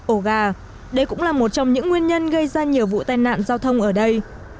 ổ gà đây cũng là một trong những nguyên nhân gây ra nhiều vụ tai nạn giao thông ở đây